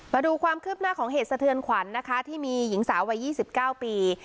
มาดูความคืบหน้าของเหตุสะเทือนขวัญนะคะที่มีหญิงสาววัย๒๙ปี